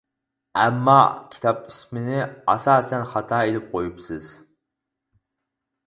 ئەمما كىتاب ئىسمىنى ئاساسەن خاتا ئېلىپ قويۇپسىز.